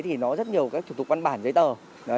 thì nó rất nhiều các thủ tục văn bản giấy tờ